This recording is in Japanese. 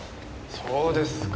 そうですか。